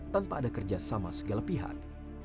tanpa ada kerja sama segala pihak